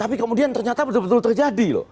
tapi kemudian ternyata betul betul terjadi loh